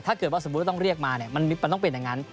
ถ้าเกิดว่าสมมุติว่าต้องเรียกมาเนี่ยมันต้องเป็นอย่างนั้น